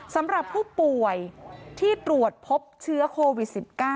สำหรับผู้ป่วยที่ตรวจพบเชื้อโควิด๑๙